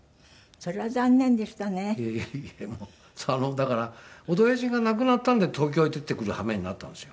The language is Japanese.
だから親父が亡くなったんで東京へ出てくる羽目になったんですよ。